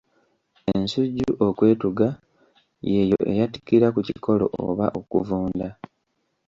Ensujju okwetuga, y'eyo eyatikkira ku kikolo oba okuvunda.